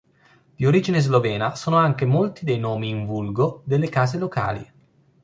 Di origine slovena sono anche molti dei nomi "in vulgo" delle case locali.